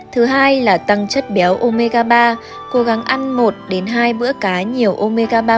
thứ hai là tăng chất béo omega ba cố gắng ăn một hai bữa cá nhiều omega ba